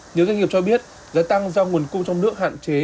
nhiều doanh nghiệp cho biết giá tăng do nguồn cung trong nước hạn chế